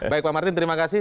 baik pak martin terima kasih